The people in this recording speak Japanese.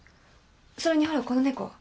それにほらこの猫。